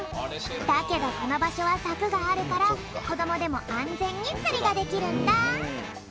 だけどこのばしょはさくがあるからこどもでもあんぜんにつりができるんだ！